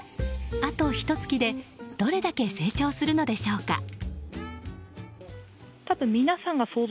あとひと月でどれだけ成長するのでしょうか。